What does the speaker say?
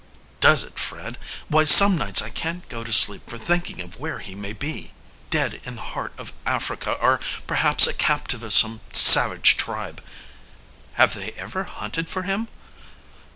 "Does it, Fred! Why, some nights I can't go to sleep for thinking of where he may be dead in the heart of Africa, or perhaps a captive of some savage tribe." "Have they ever hunted for him?"